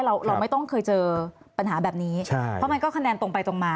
เราเราไม่ต้องเคยเจอปัญหาแบบนี้ใช่เพราะมันก็คะแนนตรงไปตรงมา